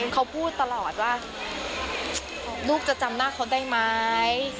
เขาพูดตลอดว่าลูกจะจำหน้าเขาได้ไหม